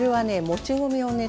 もち米をね